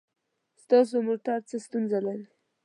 ستاسو موټر څه ستونزه لري؟